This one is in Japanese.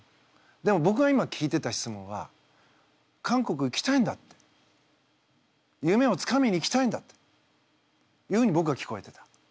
でも僕が今聞いてた質問は韓国行きたいんだって夢をつかみにいきたいんだっていうふうに僕は聞こえてた。